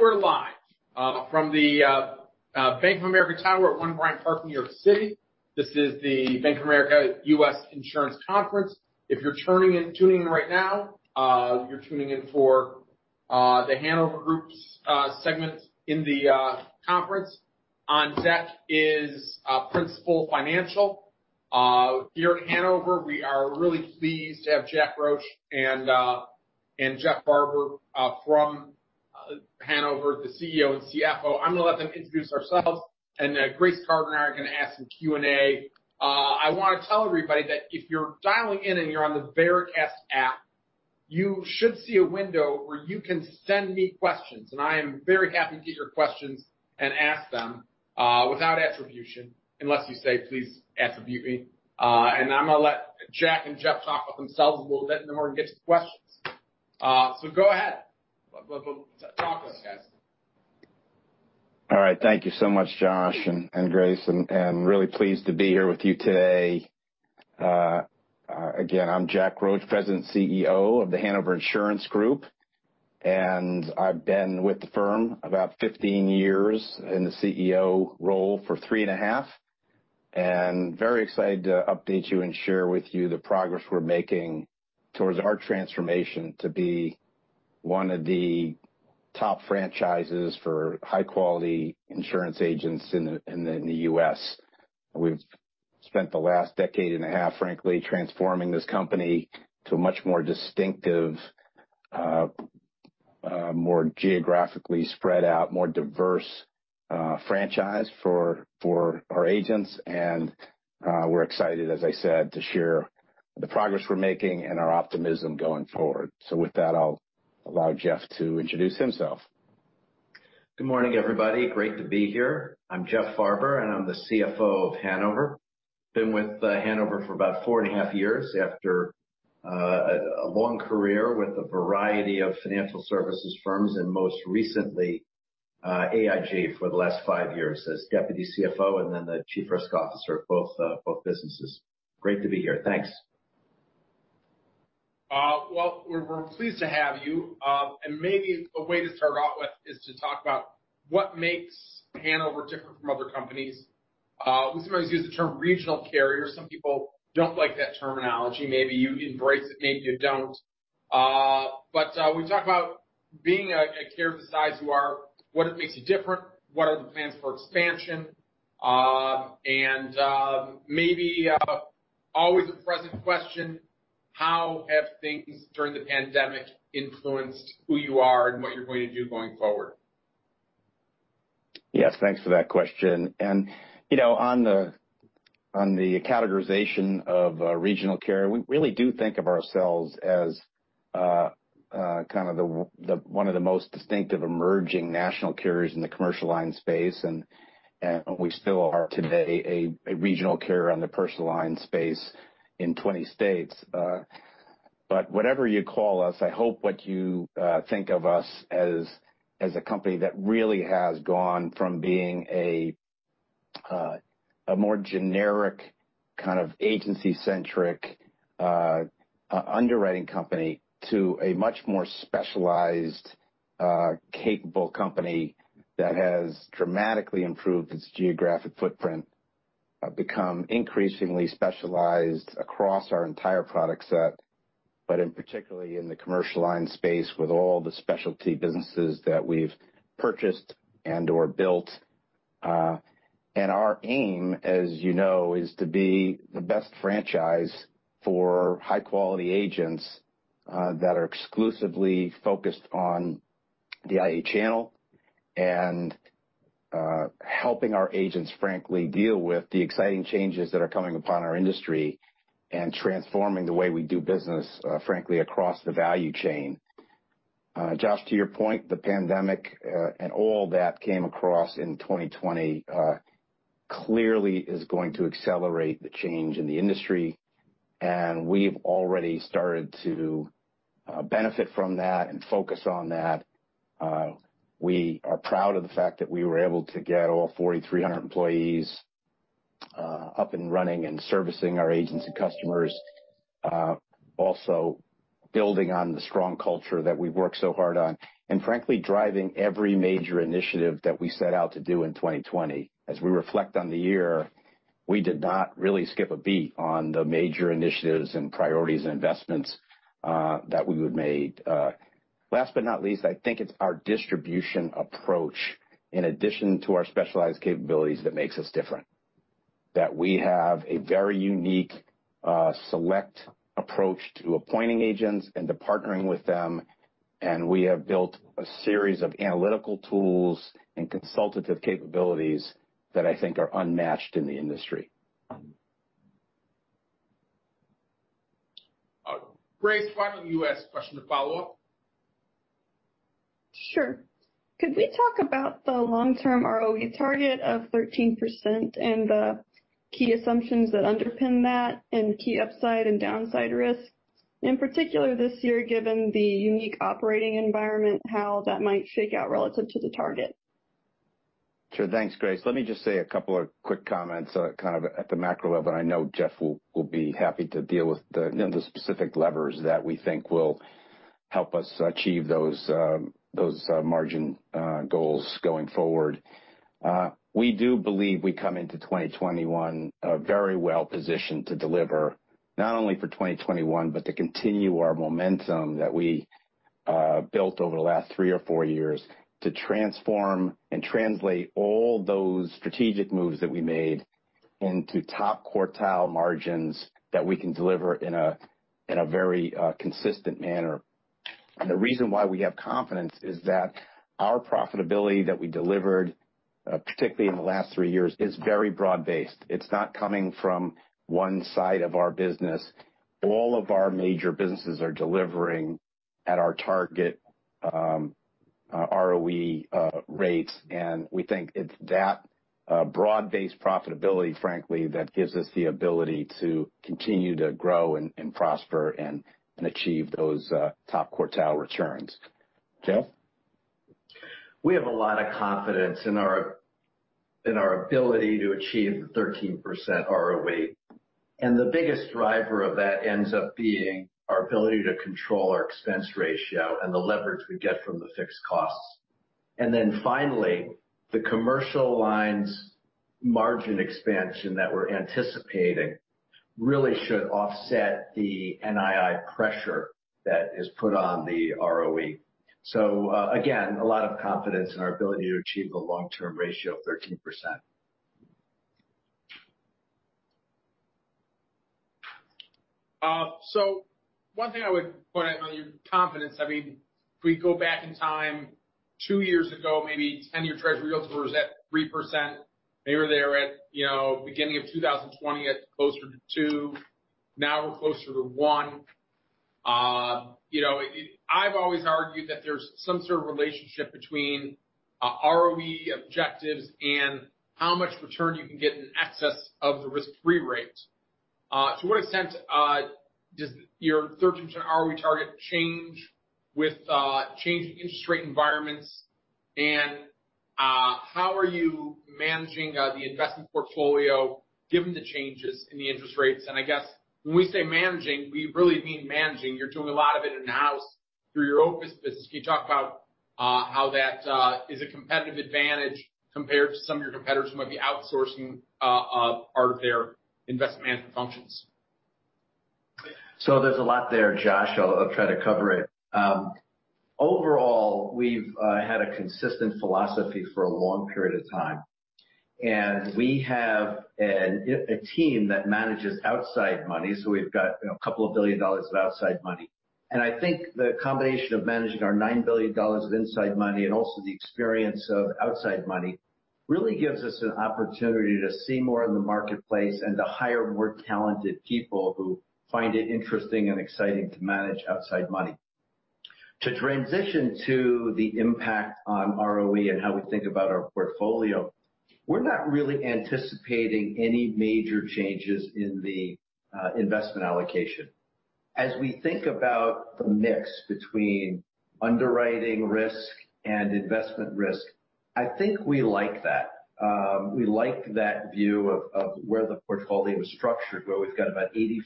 We're live from the Bank of America Tower at One Bryant Park, New York City. This is the Bank of America U.S. Insurance Conference. If you're tuning in right now, you're tuning in for The Hanover Group's segment in the conference. On deck is Principal Financial. Here at Hanover, we are really pleased to have Jack Roche and Jeff Farber from Hanover, the CEO and CFO. I'm going to let them introduce themselves, and Grace Card and I are going to ask some Q&A. I want to tell everybody that if you're dialing in and you're on the webcast app, you should see a window where you can send me questions. I am very happy to get your questions and ask them, without attribution, unless you say, "Please attribute me." I'm going to let Jack and Jeff talk about themselves, and we'll let them know we're going to get to questions. Go ahead. Talk to us, guys. All right. Thank you so much, Josh and Grace. Really pleased to be here with you today. Again, I'm Jack Roche, President CEO of The Hanover Insurance Group. I've been with the firm about 15 years, in the CEO role for three and a half, and very excited to update you and share with you the progress we're making towards our transformation to be one of the top franchises for high-quality insurance agents in the U.S. We've spent the last decade and a half, frankly, transforming this company to a much more distinctive, more geographically spread out, more diverse franchise for our agents. We're excited, as I said, to share the progress we're making and our optimism going forward. With that, I'll allow Jeff to introduce himself. Good morning, everybody. Great to be here. I'm Jeff Farber. I'm the CFO of Hanover. Been with Hanover for about four and a half years after a long career with a variety of financial services firms. Most recently, AIG for the last five years as Deputy CFO and then the Chief Risk Officer at both businesses. Great to be here. Thanks. Well, we're pleased to have you. Maybe a way to start out with is to talk about what makes Hanover different from other companies. We sometimes use the term regional carrier. Some people don't like that terminology. Maybe you embrace it, maybe you don't. Can we talk about being a carrier the size you are, what makes you different? What are the plans for expansion? Maybe always a present question, how have things during the pandemic influenced who you are and what you're going to do going forward? Yes, thanks for that question. On the categorization of regional carrier, we really do think of ourselves as one of the most distinctive emerging national carriers in the commercial line space. We still are today a regional carrier on the personal line space in 20 states. Whatever you call us, I hope what you think of us as a company that really has gone from being a more generic kind of agency centric underwriting company to a much more specialized, capable company that has dramatically improved its geographic footprint, become increasingly specialized across our entire product set, but particularly in the commercial line space with all the specialty businesses that we've purchased and/or built. Our aim, as you know, is to be the best franchise for high-quality agents that are exclusively focused on the IA channel and helping our agents, frankly, deal with the exciting changes that are coming upon our industry and transforming the way we do business, frankly, across the value chain. Josh, to your point, the pandemic, all that came across in 2020, clearly is going to accelerate the change in the industry, we've already started to benefit from that and focus on that. We are proud of the fact that we were able to get all 4,300 employees up and running and servicing our agents and customers. Also building on the strong culture that we've worked so hard on, frankly, driving every major initiative that we set out to do in 2020. As we reflect on the year, we did not really skip a beat on the major initiatives and priorities and investments that we would made. Last but not least, I think it's our distribution approach, in addition to our specialized capabilities, that makes us different. We have a very unique, select approach to appointing agents and to partnering with them, we have built a series of analytical tools and consultative capabilities that I think are unmatched in the industry. Grace, why don't you ask a question to follow up? Sure. Could we talk about the long-term ROE target of 13% and the key assumptions that underpin that and the key upside and downside risks? In particular this year, given the unique operating environment, how that might shake out relative to the target. Sure. Thanks, Grace. Let me just say a couple of quick comments, kind of at the macro level. I know Jeff will be happy to deal with the specific levers that we think will help us achieve those margin goals going forward. We do believe we come into 2021 very well-positioned to deliver not only for 2021 but to continue our momentum that we built over the last three or four years to transform and translate all those strategic moves that we made into top quartile margins that we can deliver in a very consistent manner. The reason why we have confidence is that our profitability that we delivered, particularly in the last three years, is very broad-based. It's not coming from one side of our business. All of our major businesses are delivering at our target ROE rates, and we think it's that broad-based profitability, frankly, that gives us the ability to continue to grow and prosper and achieve those top quartile returns. Jeff? We have a lot of confidence in our ability to achieve the 13% ROE, the biggest driver of that ends up being our ability to control our expense ratio and the leverage we get from the fixed costs. Finally, the commercial lines margin expansion that we're anticipating really should offset the NII pressure that is put on the ROE. Again, a lot of confidence in our ability to achieve a long-term ratio of 13%. One thing I would point out on your confidence, if we go back in time two years ago, maybe 10-year Treasury yields were at 3%. They were there at beginning of 2020 at closer to two. Now we're closer to one. I've always argued that there's some sort of relationship between ROE objectives and how much return you can get in excess of the risk-free rate. To what extent does your 13% ROE target change with changing interest rate environments, and how are you managing the investment portfolio given the changes in the interest rates? I guess when we say managing, we really mean managing. You're doing a lot of it in-house through your Opus business. Can you talk about how that is a competitive advantage compared to some of your competitors who might be outsourcing part of their investment management functions? There's a lot there, Josh. I'll try to cover it. Overall, we've had a consistent philosophy for a long period of time, we have a team that manages outside money, so we've got a couple of billion dollars of outside money. I think the combination of managing our $9 billion of inside money and also the experience of outside money really gives us an opportunity to see more in the marketplace and to hire more talented people who find it interesting and exciting to manage outside money. To transition to the impact on ROE and how we think about our portfolio, we're not really anticipating any major changes in the investment allocation. As we think about the mix between underwriting risk and investment risk, I think we like that. We like that view of where the portfolio is structured, where we've got about 85%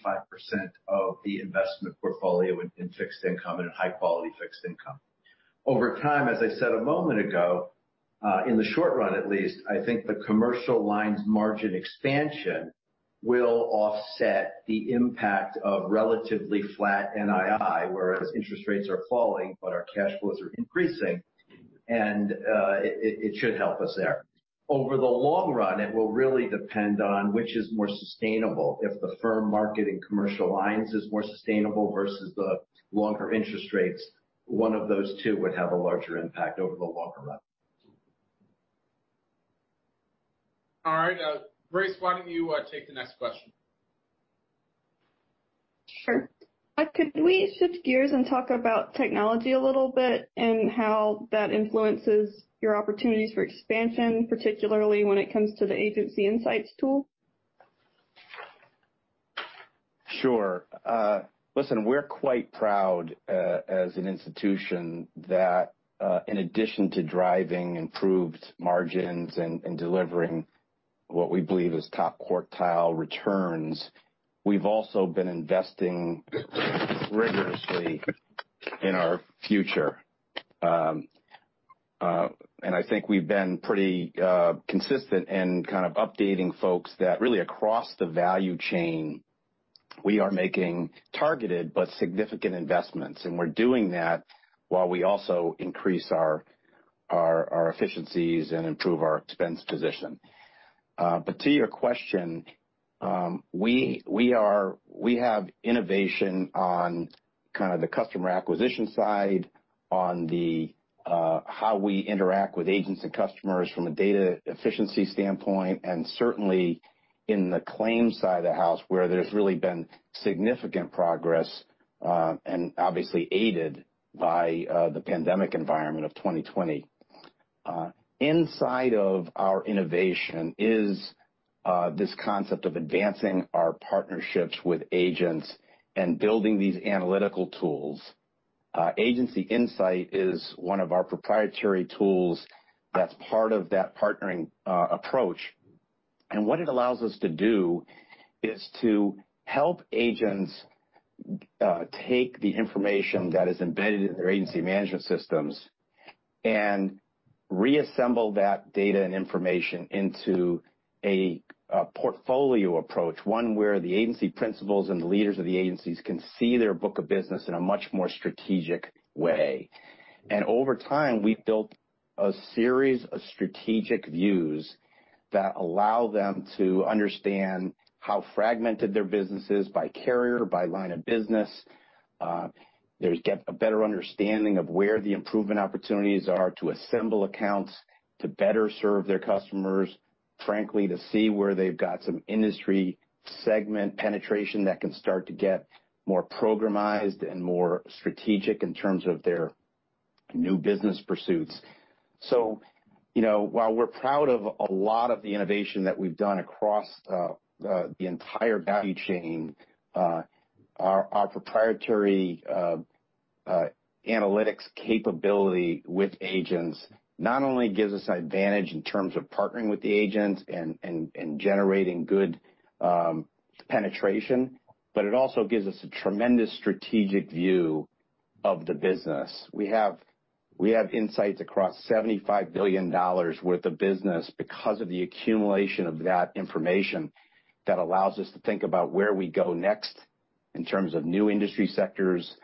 of the investment portfolio in fixed income and in high-quality fixed income. Over time, as I said a moment ago, in the short run, at least, I think the commercial lines margin expansion will offset the impact of relatively flat NII, whereas interest rates are falling, but our cash flows are increasing, and it should help us there. Over the long run, it will really depend on which is more sustainable. If the firm market in commercial lines is more sustainable versus the longer interest rates, one of those two would have a larger impact over the longer run. All right. Grace Card, why don't you take the next question? Sure. Could we shift gears and talk about technology a little bit and how that influences your opportunities for expansion, particularly when it comes to the Agency Insights tool? Sure. Listen, we're quite proud as an institution that in addition to driving improved margins and delivering what we believe is top quartile returns, we've also been investing rigorously in our future. I think we've been pretty consistent in kind of updating folks that really across the value chain, we are making targeted but significant investments, we're doing that while we also increase our efficiencies and improve our expense position. To your question, we have innovation on kind of the customer acquisition side, on how we interact with agents and customers from a data efficiency standpoint, and certainly in the claims side of the house, where there's really been significant progress, and obviously aided by the pandemic environment of 2020. Inside of our innovation is this concept of advancing our partnerships with agents and building these analytical tools. Agency Insights is one of our proprietary tools that's part of that partnering approach. What it allows us to do is to help agents take the information that is embedded in their agency management systems and reassemble that data and information into a portfolio approach, one where the agency principals and the leaders of the agencies can see their book of business in a much more strategic way. Over time, we've built a series of strategic views that allow them to understand how fragmented their business is by carrier, by line of business. There's a better understanding of where the improvement opportunities are to assemble accounts to better serve their customers, frankly, to see where they've got some industry segment penetration that can start to get more programized and more strategic in terms of their new business pursuits. While we're proud of a lot of the innovation that we've done across the entire value chain, our proprietary analytics capability with agents not only gives us an advantage in terms of partnering with the agents and generating good penetration, but it also gives us a tremendous strategic view of the business. We have insights across $75 billion worth of business because of the accumulation of that information that allows us to think about where we go next in terms of new industry sectors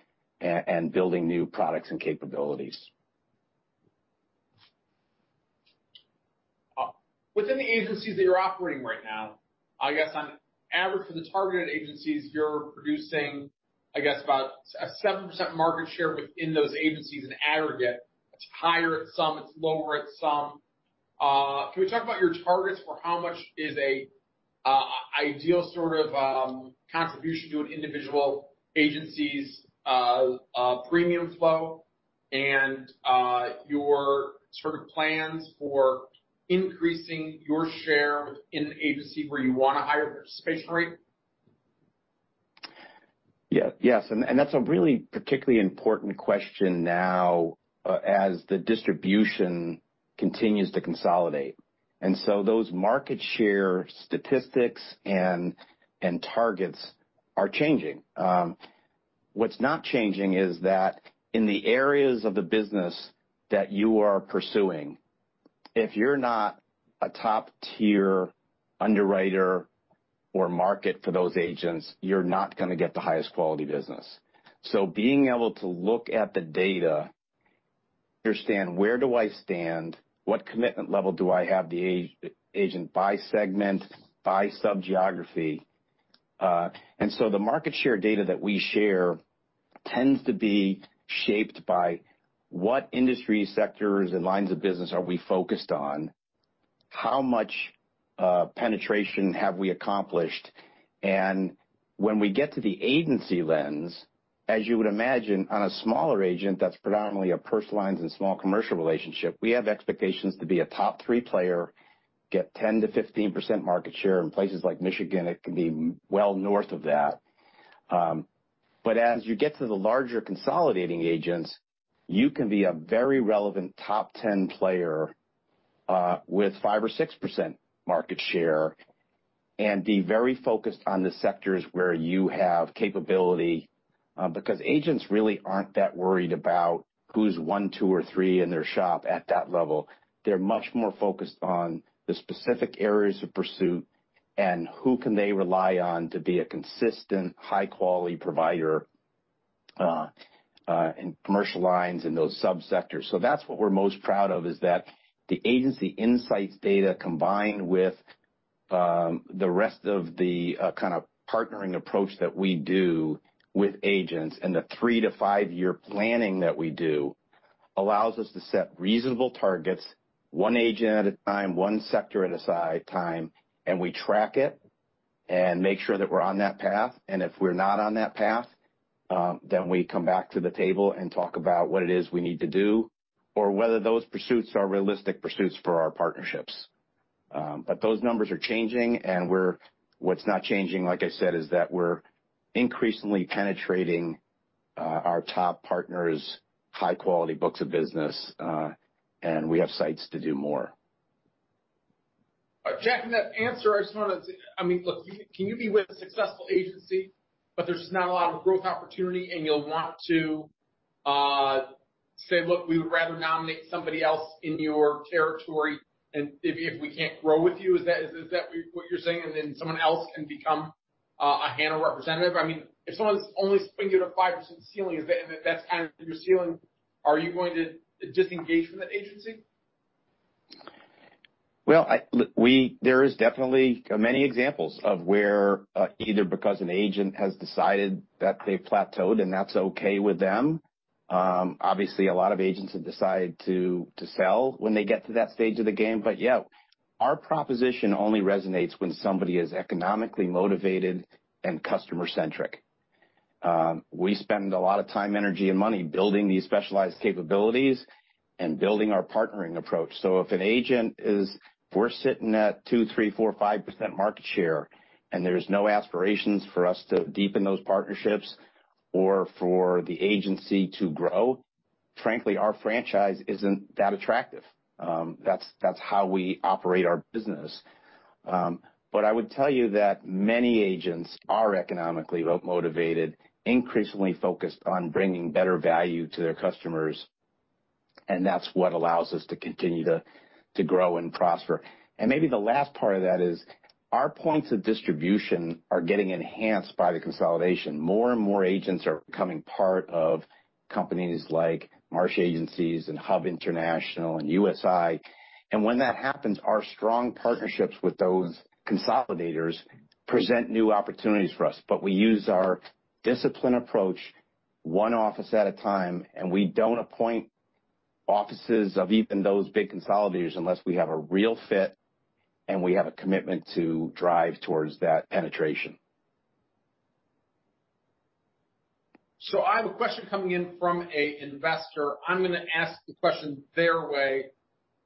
and building new products and capabilities. Within the agencies that you're operating right now, I guess on average for the targeted agencies, you're producing, I guess about a 7% market share within those agencies in aggregate. It's higher at some, it's lower at some. Can we talk about your targets for how much is an ideal sort of contribution to an individual agency's premium flow and your sort of plans for increasing your share within the agency where you want a higher participation rate? Yes. That's a really particularly important question now, as the distribution continues to consolidate. Those market share statistics and targets are changing. What's not changing is that in the areas of the business that you are pursuing, if you're not a top-tier underwriter or market for those agents, you're not going to get the highest quality business. Being able to look at the data, understand where do I stand, what commitment level do I have the agent by segment, by sub-geography. The market share data that we share tends to be shaped by what industry sectors and lines of business are we focused on, how much penetration have we accomplished, and when we get to the agency lens, as you would imagine, on a smaller agent that's predominantly a personal lines and small commercial relationship, we have expectations to be a top 3 player, get 10%-15% market share. In places like Michigan, it can be well north of that. As you get to the larger consolidating agents, you can be a very relevant top 10 player with 5%-6% market share and be very focused on the sectors where you have capability, because agents really aren't that worried about who's one, two or three in their shop at that level. They're much more focused on the specific areas of pursuit and who can they rely on to be a consistent, high-quality provider in commercial lines and those sub-sectors. That's what we're most proud of, is that the Agency Insights data, combined with the rest of the kind of partnering approach that we do with agents and the three to five-year planning that we do, allows us to set reasonable targets, one agent at a time, one sector at a time, and we track it and make sure that we're on that path. If we're not on that path, we come back to the table and talk about what it is we need to do or whether those pursuits are realistic pursuits for our partnerships. Those numbers are changing, and what's not changing, like I said, is that we're increasingly penetrating our top partners' high-quality books of business. We have sights to do more. Jack, in that answer, I mean, look, can you be with a successful agency, but there's just not a lot of growth opportunity, and you'll want to say, "Look, we would rather nominate somebody else in your territory if we can't grow with you"? Is that what you're saying? Someone else can become a Hanover representative. I mean, if someone's only bringing you to 5% ceiling and that's your ceiling, are you going to disengage from that agency? Well, there is definitely many examples of where, either because an agent has decided that they've plateaued and that's okay with them. Obviously, a lot of agents have decided to sell when they get to that stage of the game. Yeah, our proposition only resonates when somebody is economically motivated and customer-centric. We spend a lot of time, energy, and money building these specialized capabilities and building our partnering approach. If we're sitting at 2%, 3%, 4%, 5% market share, and there's no aspirations for us to deepen those partnerships or for the agency to grow, frankly, our franchise isn't that attractive. That's how we operate our business. I would tell you that many agents are economically motivated, increasingly focused on bringing better value to their customers, and that's what allows us to continue to grow and prosper. Maybe the last part of that is our points of distribution are getting enhanced by the consolidation. More and more agents are becoming part of companies like Marsh Agencies and Hub International and USI. When that happens, our strong partnerships with those consolidators present new opportunities for us. We use our disciplined approach one office at a time, and we don't appoint offices of even those big consolidators unless we have a real fit and we have a commitment to drive towards that penetration. I have a question coming in from an investor. I'm going to ask the question their way,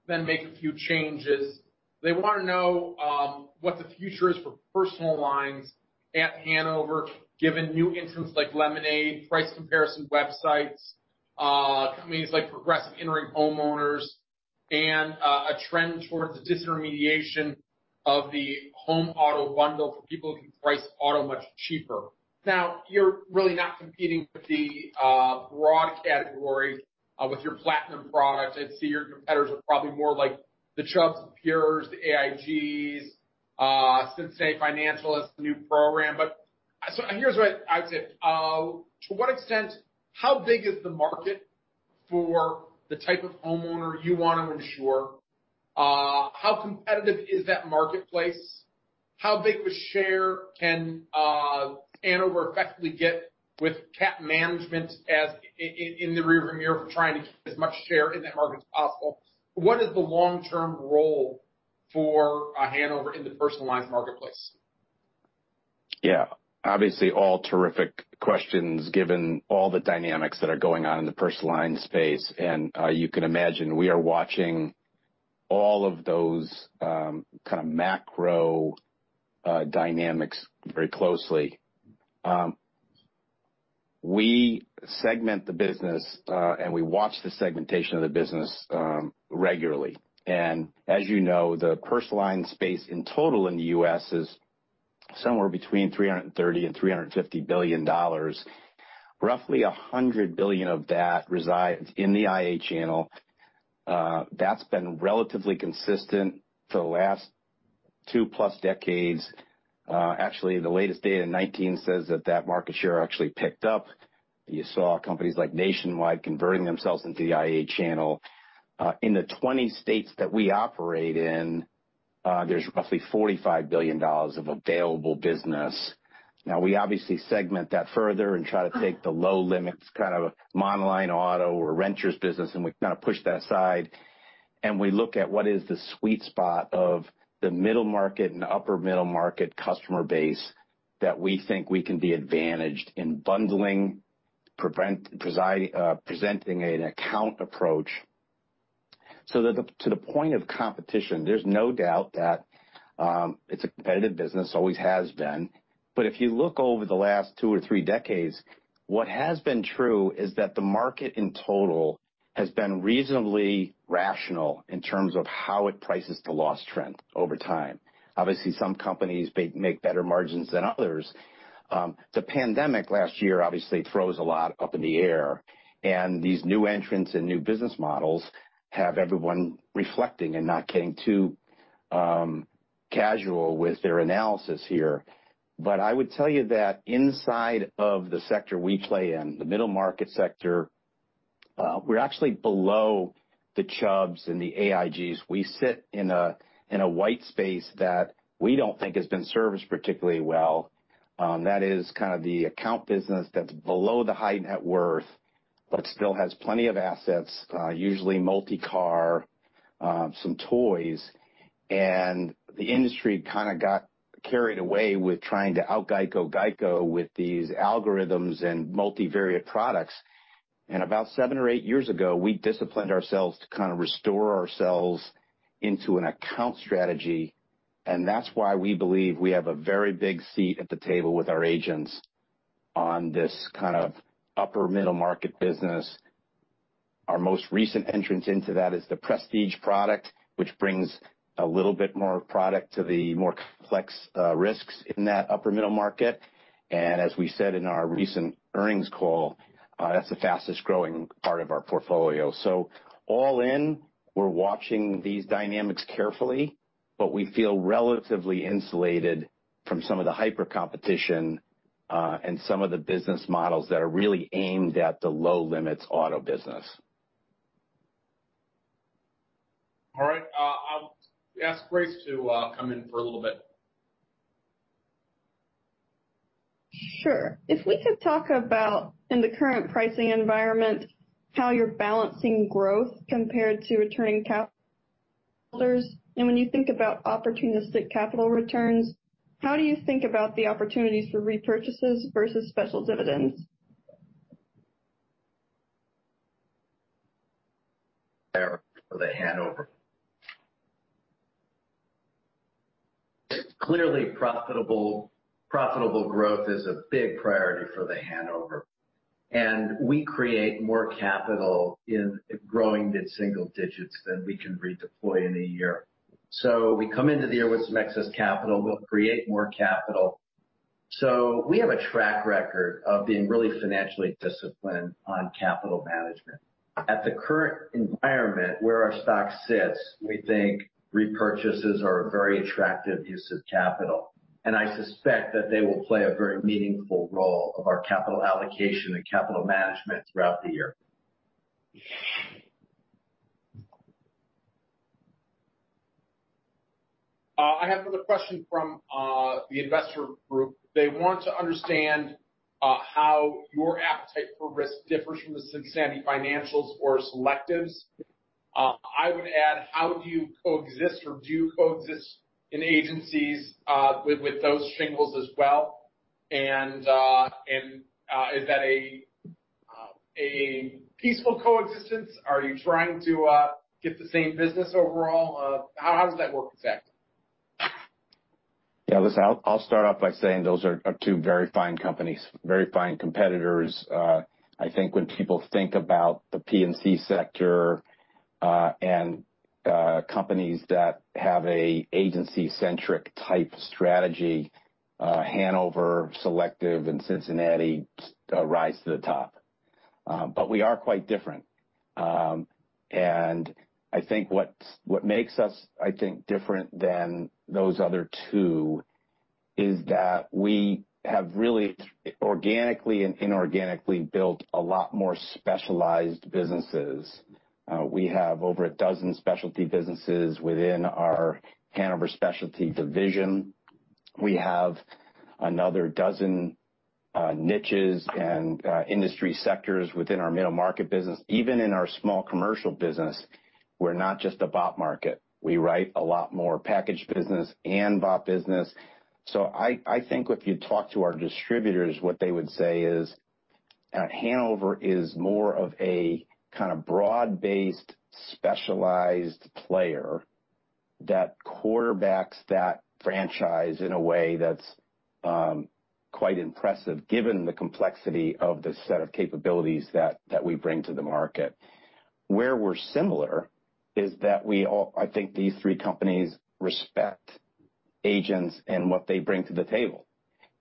then make a few changes. They want to know what the future is for personal lines at Hanover, given new entrants like Lemonade, price comparison websites, companies like Progressive entering homeowners, and a trend towards the disintermediation of the home auto bundle for people who can price auto much cheaper. You're really not competing with the broad categories with your platinum products. I'd say your competitors are probably more like the Chubbs, the PUREs, the AIGs. Cincinnati Financial has a new program. Here's what I would say. To what extent, how big is the market for the type of homeowner you want to insure? How competitive is that marketplace? How big of a share can Hanover effectively get with cap management as in the rearview mirror for trying to get as much share in that market as possible? What is the long-term role for Hanover in the personal lines marketplace? Obviously all terrific questions given all the dynamics that are going on in the personal lines space. You can imagine we are watching all of those kind of macro dynamics very closely. We segment the business, and we watch the segmentation of the business regularly. As you know, the personal lines space in total in the U.S. is somewhere between $330 billion-$350 billion. Roughly $100 billion of that resides in the IA channel. That's been relatively consistent for the last two-plus decades. Actually, the latest data, 2019, says that that market share actually picked up. You saw companies like Nationwide converting themselves into the IA channel. In the 20 states that we operate in, there's roughly $45 billion of available business. We obviously segment that further and try to take the low limits, a monoline auto or renters business, we push that aside, and we look at what is the sweet spot of the middle market and upper middle market customer base that we think we can be advantaged in bundling, presenting an account approach. That to the point of competition, there's no doubt that it's a competitive business, always has been. If you look over the last two or three decades, what has been true is that the market in total has been reasonably rational in terms of how it prices the loss trend over time. Obviously, some companies make better margins than others. The pandemic last year obviously throws a lot up in the air, and these new entrants and new business models have everyone reflecting and not getting too casual with their analysis here. I would tell you that inside of the sector we play in, the middle market sector, we're actually below the Chubbs and the AIGs. We sit in a white space that we don't think has been serviced particularly well. That is kind of the account business that's below the high net worth but still has plenty of assets, usually multi-car, some toys. The industry kind of got carried away with trying to out-GEICO GEICO with these algorithms and multivariate products. About seven or eight years ago, we disciplined ourselves to kind of restore ourselves into an account strategy. That's why we believe we have a very big seat at the table with our agents on this kind of upper middle market business. Our most recent entrance into that is the Prestige product, which brings a little bit more product to the more complex risks in that upper middle market. As we said in our recent earnings call, that's the fastest-growing part of our portfolio. All in, we're watching these dynamics carefully, but we feel relatively insulated from some of the hyper-competition and some of the business models that are really aimed at the low limits auto business. All right. I'll ask Grace to come in for a little bit. Sure. If we could talk about, in the current pricing environment, how you're balancing growth compared to returning capital and when you think about opportunistic capital returns, how do you think about the opportunities for repurchases versus special dividends? For The Hanover. Clearly, profitable growth is a big priority for The Hanover, and we create more capital in growing mid-single digits than we can redeploy in a year. We come into the year with some excess capital. We'll create more capital. We have a track record of being really financially disciplined on capital management. At the current environment where our stock sits, we think repurchases are a very attractive use of capital, and I suspect that they will play a very meaningful role of our capital allocation and capital management throughout the year. I have another question from the investor group. They want to understand how your appetite for risk differs from the Cincinnati Financial's or Selectives. I would add, how do you coexist, or do you coexist in agencies, with those shingles as well? Is that a peaceful coexistence? Are you trying to get the same business overall? How does that work exactly? Yeah. Listen, I'll start off by saying those are two very fine companies, very fine competitors. I think when people think about the P&C sector, and companies that have an agency-centric type strategy, Hanover, Selective, and Cincinnati rise to the top. We are quite different. I think what makes us, I think, different than those other two is that we have really organically and inorganically built a lot more specialized businesses. We have over a dozen specialty businesses within our Hanover Specialty division. We have another dozen niches and industry sectors within our middle market business. Even in our small commercial business, we're not just a BOP market. We write a lot more packaged business and BOP business. I think if you talk to our distributors, what they would say is that Hanover is more of a kind of broad-based, specialized player that quarterbacks that franchise in a way that's quite impressive given the complexity of the set of capabilities that we bring to the market. Where we're similar is that I think these three companies respect agents and what they bring to the table.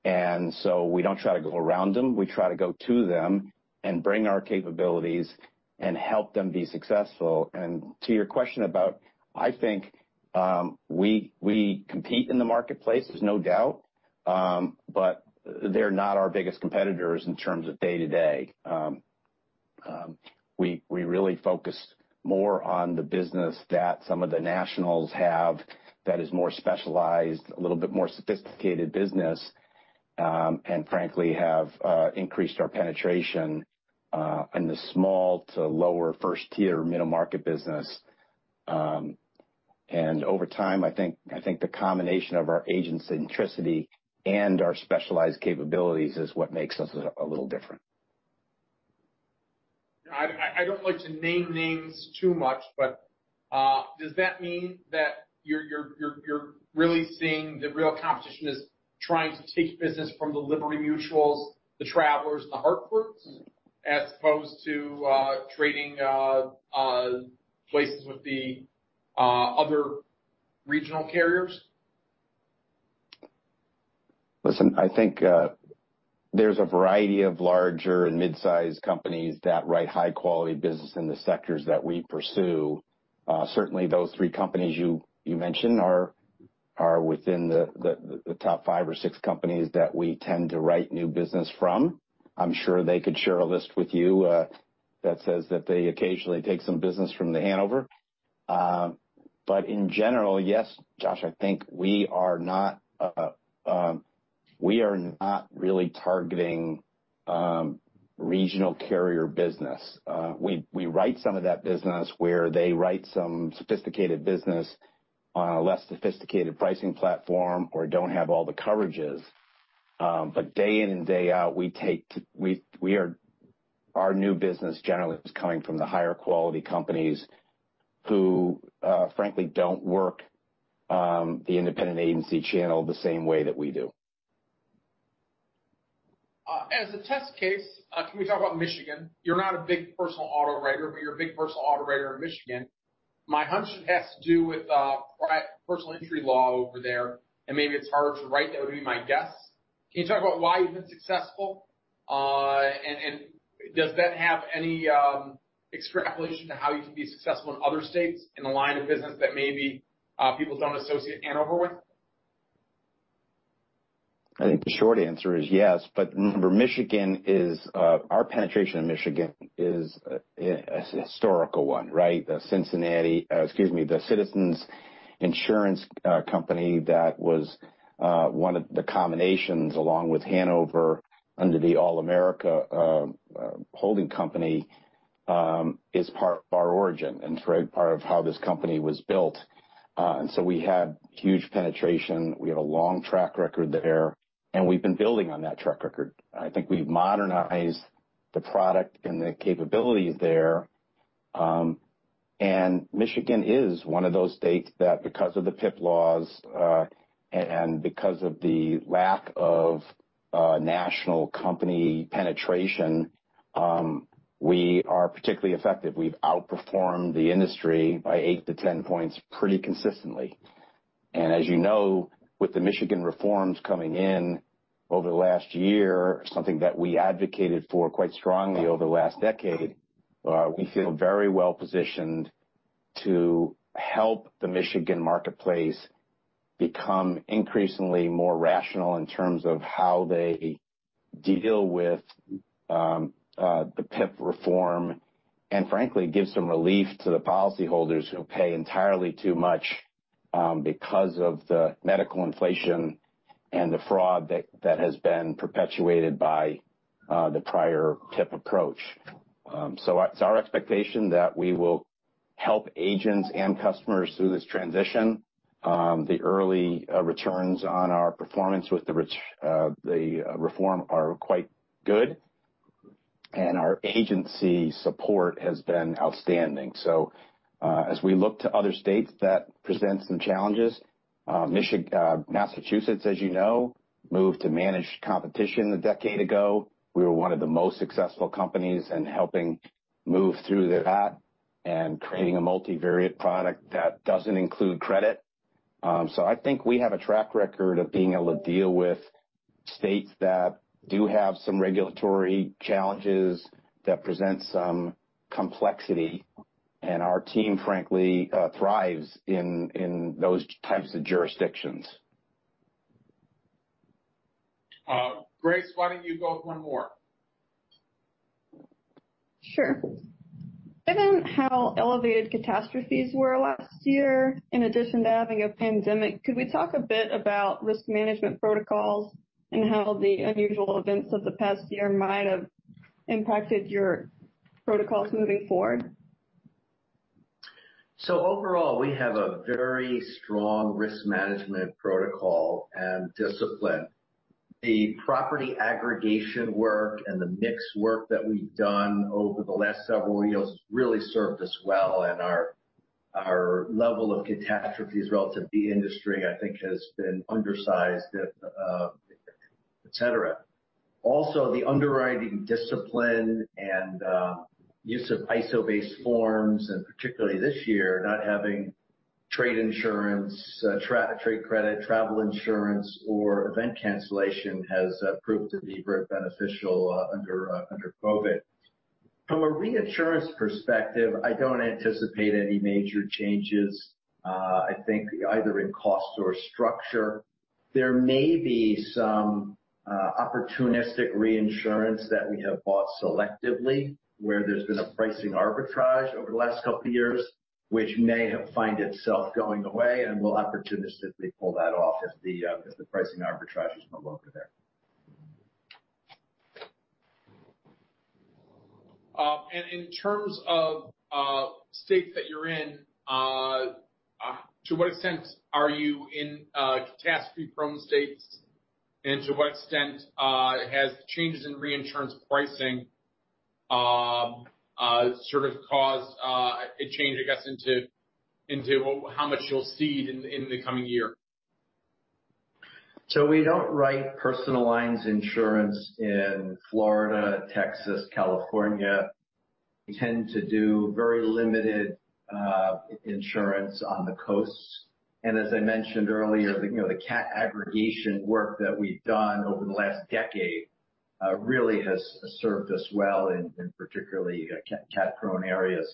We don't try to go around them. We try to go to them and bring our capabilities and help them be successful. To your question about I think, we compete in the marketplace, there's no doubt. They're not our biggest competitors in terms of day-to-day. We really focus more on the business that some of the nationals have that is more specialized, a little bit more sophisticated business, and frankly, have increased our penetration, in the small to lower first tier middle market business. Over time, I think the combination of our agent centricity and our specialized capabilities is what makes us a little different. I don't like to name names too much, does that mean that you're really seeing the real competition as trying to take business from the Liberty Mutuals, the Travelers, the Hartfords, as opposed to trading places with the other regional carriers? Listen, I think there's a variety of larger and mid-size companies that write high-quality business in the sectors that we pursue. Certainly, those three companies you mentioned are within the top five or six companies that we tend to write new business from. I'm sure they could share a list with you that says that they occasionally take some business from The Hanover. In general, yes, Josh, I think we are not really targeting regional carrier business. We write some of that business where they write some sophisticated business on a less sophisticated pricing platform or don't have all the coverages. Day in and day out, our new business generally is coming from the higher quality companies who, frankly, don't work the independent agency channel the same way that we do. As a test case, can we talk about Michigan? You're not a big personal auto writer, but you're a big personal auto writer in Michigan. My hunch, it has to do with personal injury law over there, and maybe it's harder to write. That would be my guess. Can you talk about why you've been successful? Does that have any extrapolation to how you can be successful in other states in a line of business that maybe people don't associate Hanover with? I think the short answer is yes. Remember, our penetration in Michigan is a historical one, right? Cincinnati, excuse me, the Citizens Insurance company that was one of the combinations along with Hanover under the Allmerica Financial Corporation, is part of our origin and part of how this company was built. We had huge penetration. We have a long track record there, and we've been building on that track record. I think we've modernized the product and the capabilities there. Michigan is one of those states that because of the PIP laws, and because of the lack of national company penetration, we are particularly effective. We've outperformed the industry by 8 to 10 points pretty consistently. As you know, with the Michigan reforms coming in over the last year, something that we advocated for quite strongly over the last decade, we feel very well-positioned to help the Michigan marketplace become increasingly more rational in terms of how they deal with the PIP reform, and frankly, give some relief to the policyholders who pay entirely too much because of the medical inflation and the fraud that has been perpetuated by the prior PIP approach. It's our expectation that we will help agents and customers through this transition. The early returns on our performance with the reform are quite good, and our agency support has been outstanding. As we look to other states, that presents some challenges. Massachusetts, as you know, moved to managed competition a decade ago. We were one of the most successful companies in helping move through that and creating a multivariate product that doesn't include credit. I think we have a track record of being able to deal with states that do have some regulatory challenges that present some complexity, and our team, frankly, thrives in those types of jurisdictions. Grace, why don't you go with one more? Sure. Given how elevated catastrophes were last year, in addition to having a pandemic, could we talk a bit about risk management protocols and how the unusual events of the past year might have impacted your protocols moving forward? Overall, we have a very strong risk management protocol and discipline. The property aggregation work and the mix work that we've done over the last several years has really served us well. Our level of catastrophes relative to the industry, I think, has been undersized, et cetera. Also, the underwriting discipline and use of ISO-based forms, and particularly this year, not having trade insurance, trade credit, travel insurance, or event cancellation has proved to be very beneficial under COVID. From a reinsurance perspective, I don't anticipate any major changes, I think, either in cost or structure. There may be some opportunistic reinsurance that we have bought selectively where there's been a pricing arbitrage over the last couple of years, which may find itself going away, and we'll opportunistically pull that off as the pricing arbitrage is no longer there. In terms of states that you're in, to what extent are you in catastrophe-prone states, and to what extent has changes in reinsurance pricing sort of caused a change, I guess, into how much you'll cede in the coming year? We don't write personal lines insurance in Florida, Texas, California. We tend to do very limited insurance on the coasts. As I mentioned earlier, the cat aggregation work that we've done over the last decade really has served us well in particularly cat-prone areas.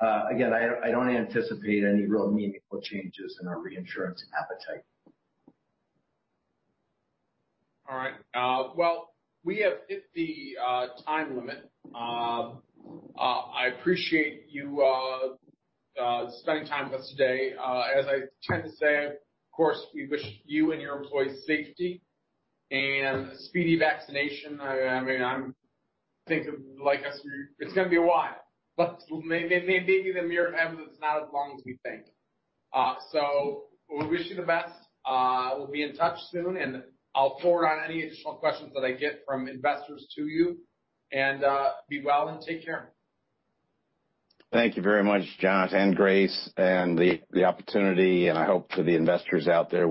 Again, I don't anticipate any real meaningful changes in our reinsurance appetite. All right. Well, we have hit the time limit. I appreciate you spending time with us today. As I tend to say, of course, we wish you and your employees safety and speedy vaccination. I mean, it's going to be a while, but maybe the mere evidence is not as long as we think. We wish you the best. We'll be in touch soon, and I'll forward on any additional questions that I get from investors to you, and be well, and take care. Thank you very much, Josh and Grace, and the opportunity. I hope for the investors out there,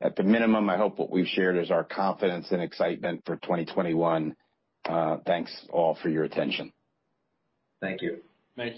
at the minimum, what we've shared is our confidence and excitement for 2021. Thanks, all, for your attention. Thank you. Thank you.